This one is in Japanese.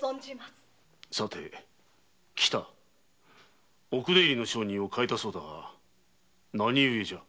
さて喜多奥出入りの商人を変えたそうだが何故じゃ？